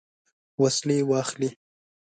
وسلې واخلي.